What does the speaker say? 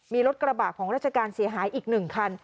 มีรถกระบะของราชการเสียหายอีก๑คัน